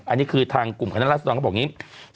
อันนี้คือทางกลุ่มคณะราษฎรเขาบอกอย่างนี้